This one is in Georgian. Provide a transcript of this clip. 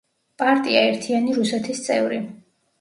პარტია „ერთიანი რუსეთის“ წევრი.